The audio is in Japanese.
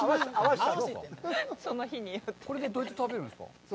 これでどうやって食べるんですか。